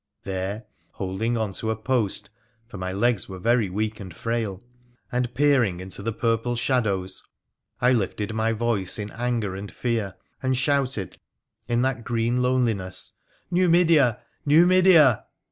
There, holding on to a post, for my legs were very weak and frail, and peering into the purple shadows, I lifted my voice in anger and fear, and shouted in that green loneliness, ' Numidea ! Numidea